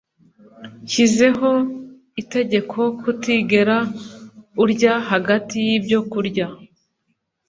Nshizeho itegeko kutigera urya hagati yibyo kurya